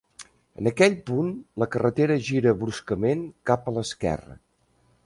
En aquell punt la carretera gira bruscament cap a l'esquerra.